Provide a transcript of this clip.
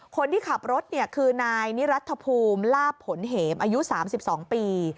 คนที่ขับรถคือนายนิรัฐภูมิลาบผลเหมอายุ๓๒ปี